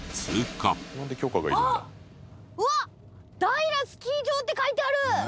うわっ「平スキー場」って書いてある！